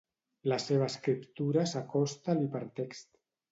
La seva escriptura s'acosta a l'hipertext.